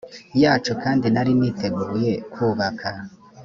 yacu kandi nari niteguye kubaka